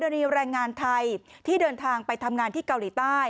แรงงานไทยที่เดินทางไปทำงานที่เกาหลีใต้